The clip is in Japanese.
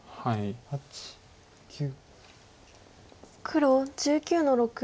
黒１９の六。